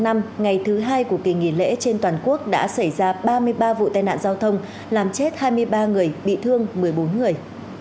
ngày thứ hai của kỳ nghỉ lễ trên toàn quốc đã xảy ra ba mươi ba vụ tai nạn giao thông làm chết hai mươi ba người bị thương một mươi bốn người